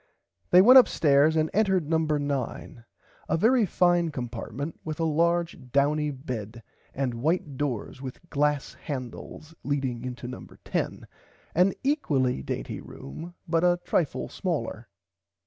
They went upstairs and entered number 9 a very fine compartment with a large douny bed and white doors with glass handles leading into number 10 an equally dainty room but a trifle smaller.